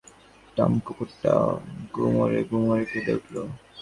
হঠাৎ শুনতে পেলে বিছানার নীচে টম কুকুরটা গুমরে গুমরে কেঁদে উঠল।